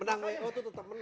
menang oh itu tetap menang